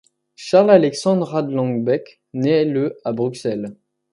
Charles Alexandre Rahlenbeck naît le à Bruxelles.